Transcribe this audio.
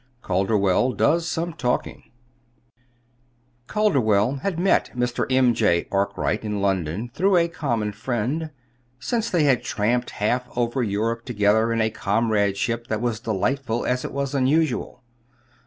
CALDERWELL DOES SOME TALKING Calderwell had met Mr. M. J. Arkwright in London through a common friend; since then they had tramped half over Europe together in a comradeship that was as delightful as it was unusual.